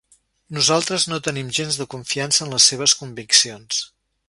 Nosaltres no tenim gens de confiança en les seves conviccions.